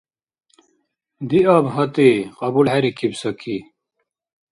– Диаб гьатӀи, – кьабулхӀерикиб Саки.